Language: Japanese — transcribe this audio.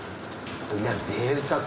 いやぜいたく。